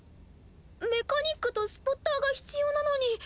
メカニックとスポッターが必要なのに。